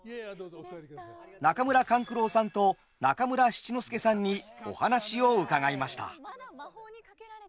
中村勘九郎さんと中村七之助さんにお話を伺いました。